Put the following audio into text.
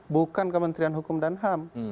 bukan kementerian hukum dan ham